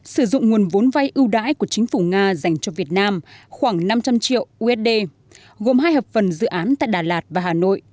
sử dụng nguồn vốn vay ưu đãi của chính phủ nga dành cho việt nam khoảng năm trăm linh triệu usd gồm hai hợp phần dự án tại đà lạt và hà nội